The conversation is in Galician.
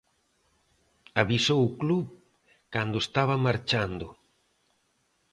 Avisou o club cando estaba marchando.